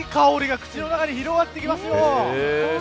口の中に広がってきますよ。